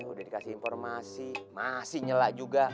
udah dikasih informasi masih nyelak juga